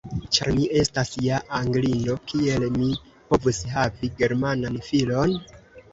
Ĉar mi estas ja Anglino, kiel mi povus havi Germanan filon?